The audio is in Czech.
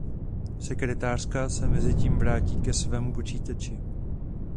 Sekretářka se mezi tím vrátí ke svému počítači.